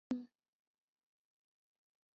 大青树是桑科榕属的植物。